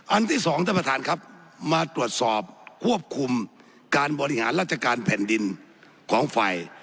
ที่สองท่านประธานครับมาตรวจสอบควบคุมการบริหารราชการแผ่นดินของไฟ